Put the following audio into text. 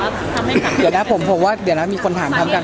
เดี๋ยวนะครับผมผมว่าเดี๋ยวนะครับมีคนถามพร้อมกัน